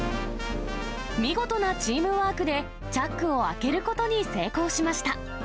見事なチームワークでチャックを開けることに成功しました。